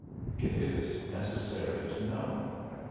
It is necessary to know.